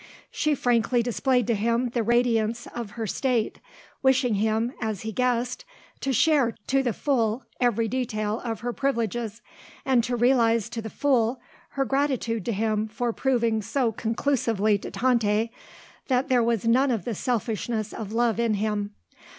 She frankly displayed to him the radiance of her state, wishing him, as he guessed, to share to the full every detail of her privileges, and to realise to the full her gratitude to him for proving so conclusively to Tante that there was none of the selfishness of love in him.